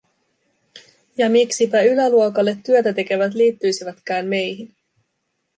Ja miksipä yläluokalle työtä tekevät liittyisivätkään meihin?